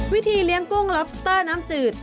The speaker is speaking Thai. วิธีเลี้ยงกุ้งล็อบสเตอร์น้ำจืด